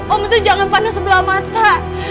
om itu jangan panas sebelah mata